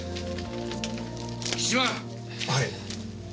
はい。